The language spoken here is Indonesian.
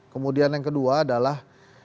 kemudian yang kedua adalah